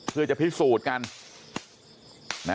เพื่อจะพิสูจน์กัน